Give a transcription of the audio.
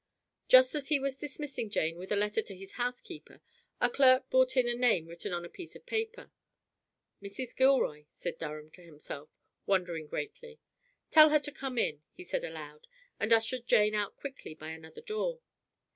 Just as he was dismissing Jane with a letter to his housekeeper a clerk brought in a name written on a piece of paper. "Mrs. Gilroy," said Durham to himself, wondering greatly. "Tell her to come in," he said aloud, and ushered Jane out quickly by another door.